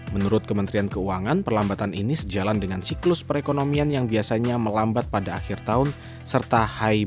menurut kementerian keuangan perlambatan ini sejalan dengan siklus perekonomian yang biasanya melambat pada akhir tahun serta high base effect pada kuartal empat tahun lalu